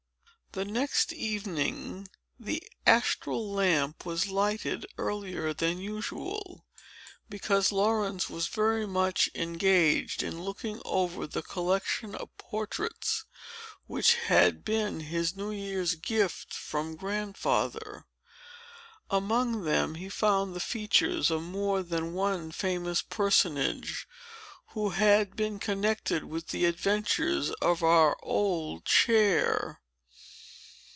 Chapter VI The next evening the astral lamp was lighted earlier than usual, because Laurence was very much engaged in looking over the collection of portraits which had been his New Year's gift from Grandfather. Among them he found the features of more than one famous personage who had been connected with the adventures of our old chair.